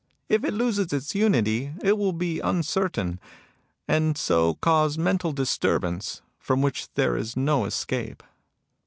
If it loses its unity, it will be un oertain ; and so cause mental disturbance, — from which there is no escape.